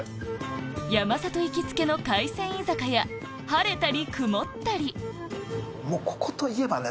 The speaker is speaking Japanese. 山里行きつけの海鮮居酒屋はれたりくもったりここといえばね。